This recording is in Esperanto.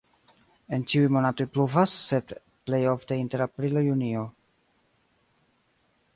En ĉiuj monatoj pluvas, sed plej ofte inter aprilo-junio.